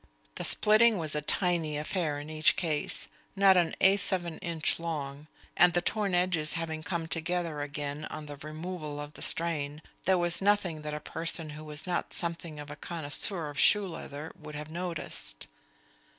The splitting was a tiny affair in each case, not an eighth of an inch long, and the torn edges having come together again on the removal of the strain, there was nothing that a person who was not something of a connoisseur of shoe leather would have noticed.